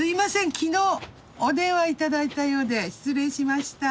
昨日お電話頂いたようで失礼しました。